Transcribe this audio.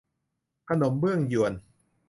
ขนมเบื้องญวน